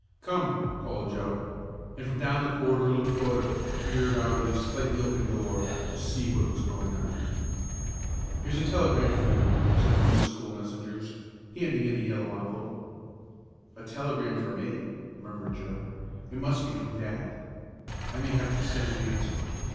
"Come!" called Joe, and from down the corridor Luke Fodick peered out of his slightly opened door to see what was going on. "Here's a telegram for you," said one of the school messengers, handing in a yellow envelope. "A telegram for me," murmured Joe. "It must be from dad. I may have to send an answer.